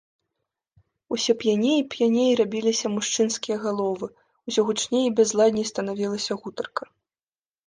Усё п'яней і п'яней рабіліся мужчынскія галовы, усё гучней і бязладней станавілася гутарка.